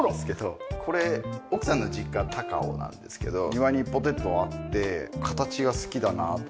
これ奥さんの実家高尾なんですけど庭にボテッとあって形が好きだなあと思って。